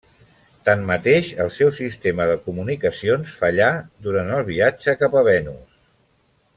Tanmateix el seu sistema de comunicacions fallà durant el viatge cap a Venus.